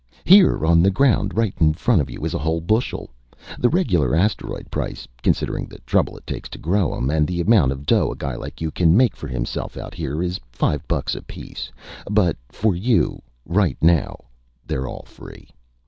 Here on the ground, right in front of you, is a whole bushel. The regular asteroids price considering the trouble it takes to grow 'em, and the amount of dough a guy like you can make for himself out here, is five bucks apiece. But for you, right now, they're all free.